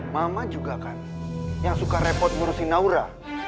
mama juga kan yang suka repot ngurusi naura